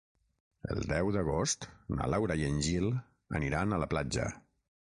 El deu d'agost na Laura i en Gil aniran a la platja.